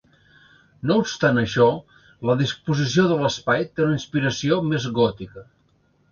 No obstant això, la disposició de l"espai té una inspiració més gòtica.